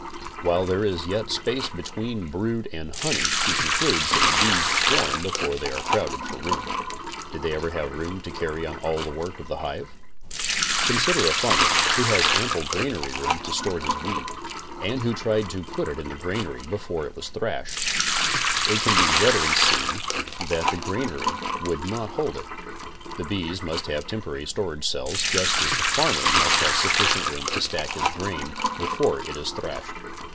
While there is yet space between brood and honey, he concludes that the bees swarm before they are crowded for room. Did they have room to carry on all the work of the hive? Consider a farmer, who has ample granary room to store his wheat, and who tried to put it in the granary before it was thrashed. It can readily be seen that the granary would not hold it. The bees must have temporary storage cells just as the farmer must have sufficient room to stack his grain before it is thrashed.